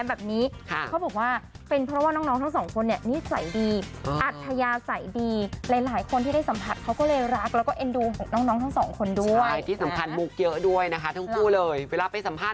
จำภาพวันก่อนได้ไหมอ่านข่าวที่พี่หนุ่มกันชัยเขาเขินใหม่แล้วพี่ก๊า